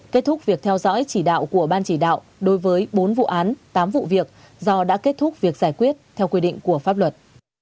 kết thúc việc theo dõi chỉ đạo của ban chỉ đạo đối với bốn vụ án tám vụ việc do đã kết thúc việc giải quyết theo quy định của pháp luật